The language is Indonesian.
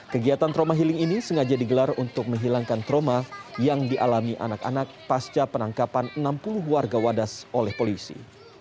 kegiatan trauma healing ini sengaja digelar untuk menghilangkan trauma yang dialami anak anak pasca penangkapan enam puluh warga wadas oleh polisi